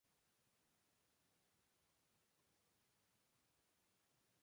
Es lo que más impacta del templo dedicado a San Lorenzo.